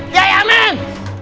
ya ya men